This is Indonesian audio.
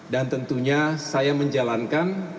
dan tentunya saya menjalankan